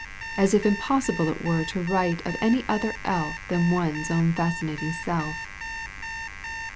As if impossible it were To write of any other elf Than one's own fascinating self.